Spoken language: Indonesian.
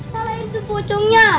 salahin tuh pocongnya